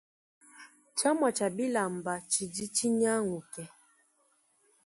Tshiamua tshia bilamba tshidi tshinyanguke.